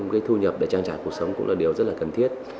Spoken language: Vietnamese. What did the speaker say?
cái thu nhập để trang trải cuộc sống cũng là điều rất là cần thiết